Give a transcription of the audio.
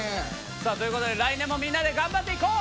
さあということで来年もみんなで頑張っていこう！